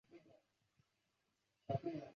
目前车辆通行方向为由东往西单向通行。